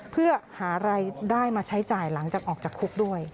เพื่อหารายได้มาใช้จ่ายหลังจากออกจากคุกด้วย